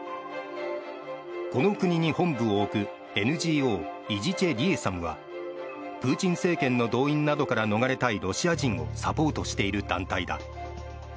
この国に本部を置くＮＧＯイジチェ・リエサムはプーチン政権の動員などから逃れたいロシア人をサポートしている団体だ。